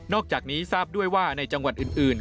อกจากนี้ทราบด้วยว่าในจังหวัดอื่น